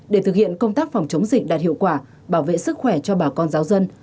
để thực hiện công tác phòng chống dịch đạt hiệu quả bảo vệ sức khỏe cho bà con giáo dân